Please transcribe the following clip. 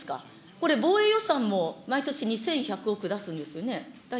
これ、防衛予算も毎年出すんですよね。